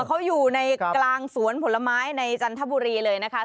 เขาอยู่ในกลางสวนผลไม้ในจันทบุรีเลยนะคะ